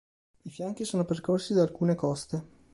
I fianchi sono percorsi da alcune coste.